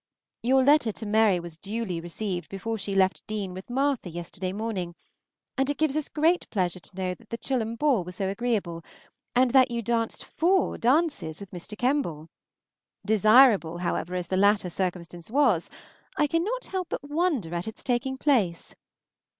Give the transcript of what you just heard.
Your letter to Mary was duly received before she left Deane with Martha yesterday morning, and it gives us great pleasure to know that the Chilham ball was so agreeable, and that you danced four dances with Mr. Kemble. Desirable, however, as the latter circumstance was, I cannot help wondering at its taking place.